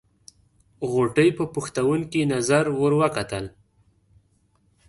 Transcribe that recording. غوټۍ په پوښتونکې نظر ور وکتل.